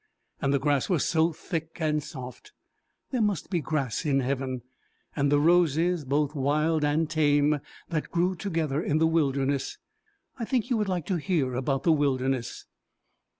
And the grass was so thick and soft! There must be grass in heaven! And the roses, both wild and tame, that grew together in the wilderness! I think you would like to hear about the wilderness.